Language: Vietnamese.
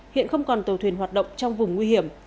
hiện không còn tàu thuyền hoạt động trong vùng nguy hiểm